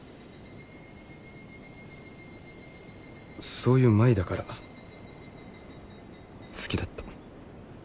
そういう舞だから好きだった。